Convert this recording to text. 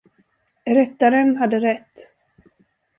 Rättaren hade rätt.